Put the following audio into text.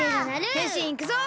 へんしんいくぞ！